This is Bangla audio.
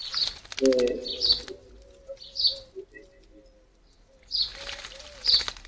সুস্থ হয়ে স্ত্রী ওজুফাসহ দুই মেয়েকে নিয়ে ঢাকা চলে আসেন মোস্তফা।